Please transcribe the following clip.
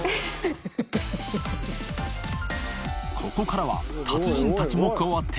ここからは達人たちも加わって）